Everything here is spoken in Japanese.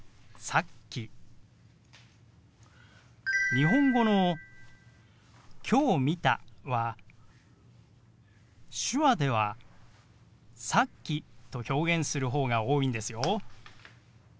日本語の「きょう見た」は手話では「さっき」と表現するほうが多いんですよ。